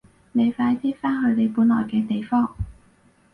你好快啲返去你本來嘅地方！